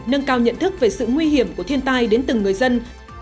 nâng cao nhận thức về sự nguy hiểm của thiên tai đến từng người dân